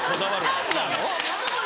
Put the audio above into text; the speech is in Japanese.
パンなの？